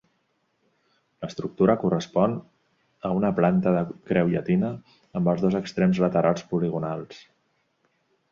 L'estructura correspon a una planta de creu llatina amb els dos extrems laterals poligonals.